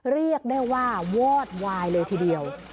เรียกได้ว่าวอดวายเลยทีเดียว